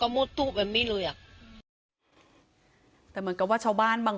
มุดตู้แบบนี้เลยอ่ะแต่เหมือนกับว่าชาวบ้านบาง